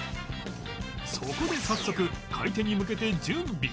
そこで早速開店に向けて準備